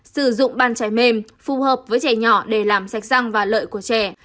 sử dụng bàn chảy mềm phù hợp với trẻ nhỏ để làm sạch răng và lợi của trẻ